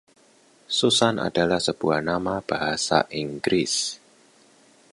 Susan adalah sebuah nama bahasa Inggris.